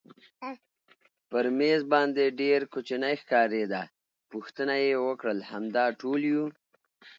پر مېز باندې ډېر کوچنی ښکارېده، پوښتنه یې وکړل همدا ټول یو؟